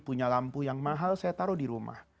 punya lampu yang mahal saya taruh di rumah